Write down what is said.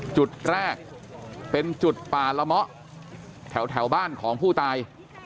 จุดแรกเป็นจุดป่าละเมาะแถวบ้านของผู้ตาย